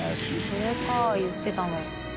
これか言ってたの。